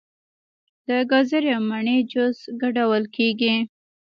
د ګازرې او مڼې جوس ګډول کیږي.